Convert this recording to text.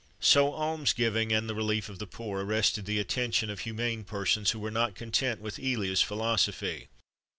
So alms giving and the relief of the poor arrested the attention of humane persons who were not content with Elia's philosophy.